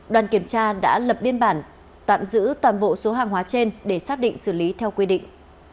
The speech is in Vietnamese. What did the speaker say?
đoàn kiểm tra đã lập biên bản tạm giữ toàn bộ số hàng hóa trên để xác định xử lý theo quy định